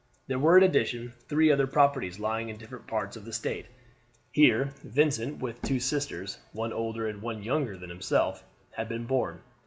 There were in addition three other properties lying in different parts of the State. Here Vincent, with two sisters, one older and one younger than himself, had been born.